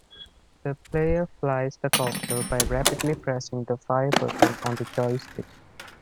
The player flies the copter by rapidly pressing the fire button on the joystick.